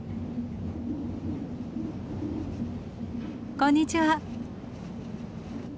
こんにちは。